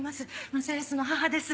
正恭の母です。